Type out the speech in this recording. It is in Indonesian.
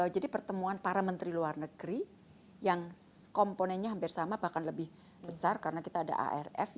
jadi pertemuan para menteri luar negeri yang komponennya hampir sama bahkan lebih besar karena kita ada arf